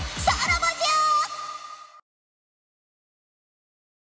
さらばじゃ。